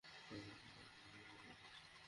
শহর তোমার আত্মা দূষিত করে ফেলেছে।